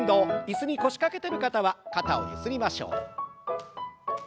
椅子に腰掛けてる方は肩をゆすりましょう。